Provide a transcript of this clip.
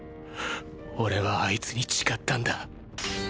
俺はあいつに誓ったんだ。